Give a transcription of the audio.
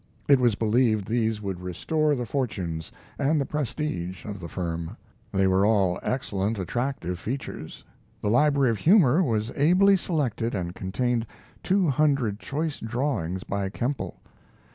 It was believed these would restore the fortunes and the prestige of the firm. They were all excellent, attractive features. The Library of Humor was ably selected and contained two hundred choice drawings by Kemble.